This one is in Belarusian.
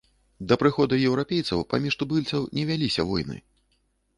Да прыходу еўрапейцаў паміж тубыльцаў не вяліся войны.